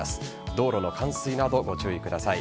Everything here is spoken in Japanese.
道路の冠水など、ご注意ください。